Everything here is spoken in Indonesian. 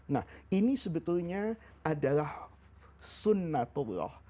nah ini sebetulnya adalah sunnatullah